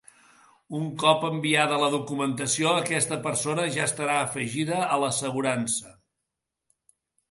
Un cop enviada la documentació, aquesta persona ja estarà afegida a l'assegurança?